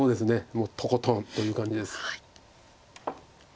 もうとことんという感じです。